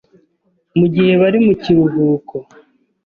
mu gihe bari mu kiruhuko,